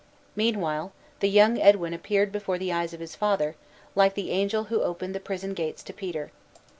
Meanwhile, the young Edwin appeared before the eyes of his father, like the angel who opened the prison gates to Peter.